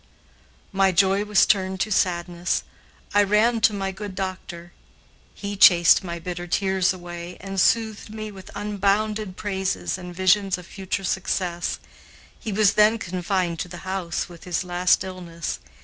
My joy was turned to sadness. I ran to my good doctor. He chased my bitter tears away, and soothed me with unbounded praises and visions of future success. He was then confined to the house with his last illness.